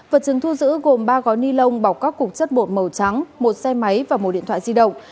vật chứng thu giữ gồm ba gói ni lông bọc các cục chất bột màu trắng một xe máy và một điện thoại di động